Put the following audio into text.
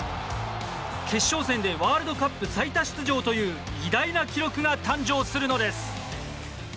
決勝戦でワールドカップ最多出場という偉大な記録が誕生するのです。